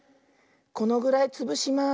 このぐらいつぶします。